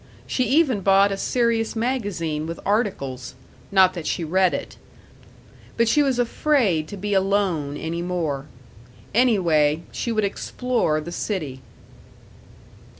She even bought a serious magazine with articles. Not that she read it. But she was afraid to be alone any more. Anyway, she would explore the city.